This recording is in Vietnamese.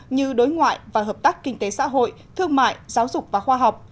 như đối ngoại và hợp tác kinh tế xã hội thương mại giáo dục và khoa học